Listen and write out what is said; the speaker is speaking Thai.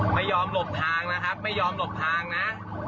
ไม่ยอมหลบทางนะครับไม่ยอมหลบทางนะ